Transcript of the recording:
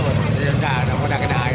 nggak nggak kena air